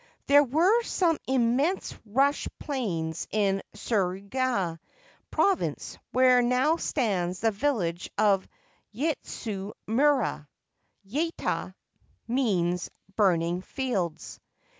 There were some immense rush plains in Suruga Province where now stands the village of Yaitsu Mura (' Yaita ' means c burning fields